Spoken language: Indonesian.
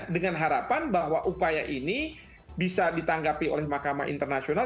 dengan harapan bahwa upaya ini bisa ditanggapi oleh mahkamah internasional